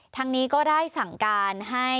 ทางนี้ก็ได้สั่งการให้